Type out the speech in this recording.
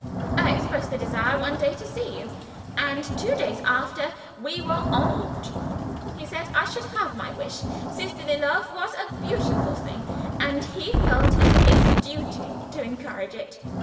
I expressed a desire one day to see you, and two days afterward we were en route. He said I should have my wish. Sisterly love was a beautiful thing, and he felt it his duty to encourage it."